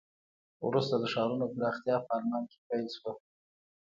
وروسته د ښارونو پراختیا په آلمان کې پیل شوه.